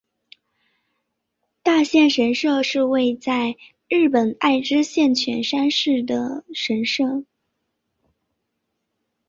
大县神社是位在日本爱知县犬山市的神社。